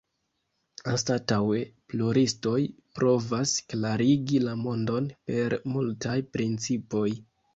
Anstataŭe pluristoj provas klarigi la mondon per multaj principoj.